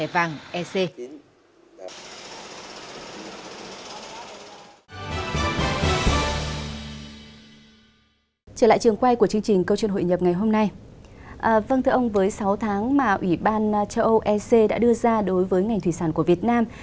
vâng thưa ông quay sáu tháng mà ủy ban châu âu ec đã đưa ra đối với ngành thủy sản của việt nam